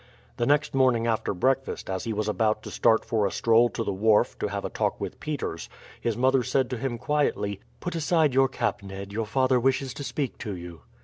The next morning after breakfast, as he was about to start for a stroll to the wharf to have a talk with Peters, his mother said to him quietly: "Put aside your cap, Ned, your father wishes to speak to you."